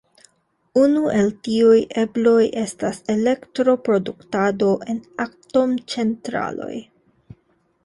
Unu el tiuj ebloj estas elektroproduktado en atomcentraloj.